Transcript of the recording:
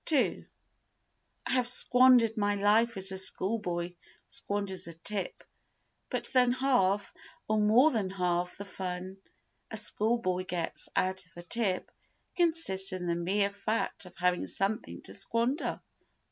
ii I have squandered my life as a schoolboy squanders a tip. But then half, or more than half the fun a schoolboy gets out of a tip consists in the mere fact of having something to squander.